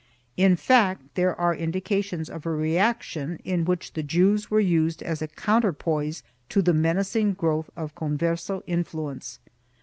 2 In fact there are indications of a reaction in which the Jews were used as a counterpoise to the menacing growth of * Converse influence.